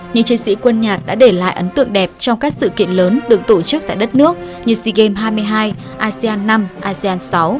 những chiến sĩ quân nhạc đã để lại ấn tượng đẹp trong các sự kiện lớn được tổ chức tại đất nước như sea games hai mươi hai asean năm asean sáu